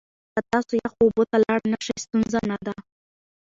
که تاسو یخو اوبو ته لاړ نشئ، ستونزه نه ده.